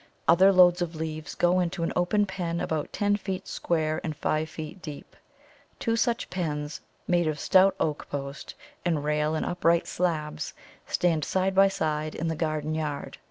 Other loads of leaves go into an open pen about ten feet square and five feet deep. Two such pens, made of stout oak post and rail and upright slabs, stand side by side in the garden yard.